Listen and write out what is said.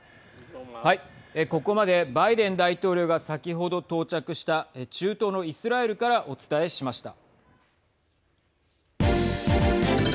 ここまでバイデン大統領が先ほど到着した中東のイスラエルからお伝えしました。